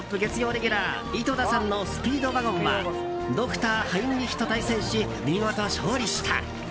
レギュラー井戸田さんのスピードワゴンはＤｒ．ハインリッヒと対戦し見事、勝利した。